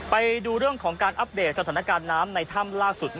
ไปดูเรื่องของการอัปเดตสถานการณ์น้ำในถ้ำล่าสุด